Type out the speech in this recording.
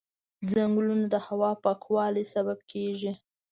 ځنګلونه د هوا پاکوالي سبب کېږي.